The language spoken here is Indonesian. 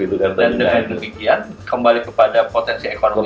dengan demikian kembali kepada potensi ekonomi